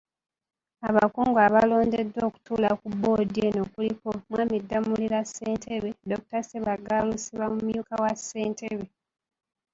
Abakugu abalondeddwa okutuula ku boodi eno kuliko; Mw.Damulira Ssentebe, Dr. Ssebaggala Lusiba mumyuka wa ssentebe.